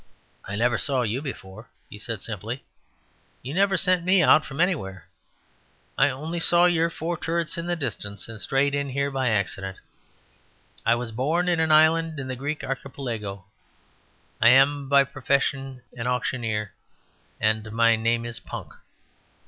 "I never saw you before," he said simply; "you never sent me out from anywhere. I only saw your four turrets in the distance, and strayed in here by accident. I was born in an island in the Greek Archipelago; I am by profession an auctioneer, and my name is Punk."